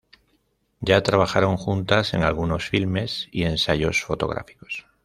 Ya trabajaron juntas en algunos filmes y ensayos fotográficos.